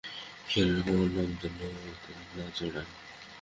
খেয়াল রেখো, আমার নাম যেন এতে না জড়ায়।